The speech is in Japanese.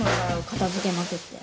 片付けまくって。